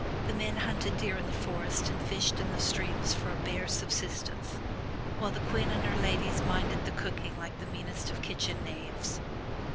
The men hunted deer in the forest and fished in the streams for a bare subsistence, while the Queen and her ladies minded the cooking 282 FROM THE TOWER WINDOW like the meanest of kitchen knaves.